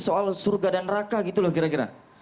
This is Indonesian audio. soal surga dan neraka gitu loh kira kira